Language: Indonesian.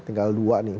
tinggal dua nih